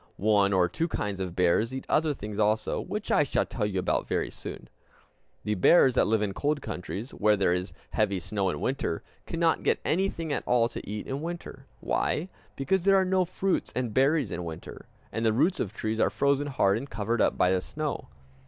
One or two kinds of bears eat other things also, which I shall tell you about very soon. The bears that live in cold countries, where there is heavy snow in winter, cannot get anything at all to eat in winter. Why? Because there are no fruits and berries in winter, and the roots of trees are frozen hard and covered up by the snow.